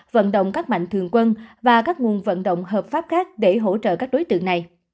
vận động các mạnh thường quân và các nguồn vận động hợp pháp khác để hỗ trợ các đối tượng này